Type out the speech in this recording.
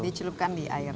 dicelupkan di air